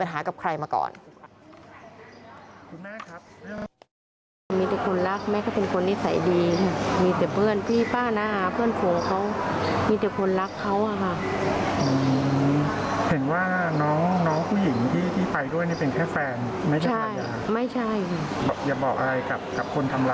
อย่าบอกอะไรกับคนทำร้ายแม็กซ์ครับ